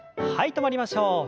止まりましょう。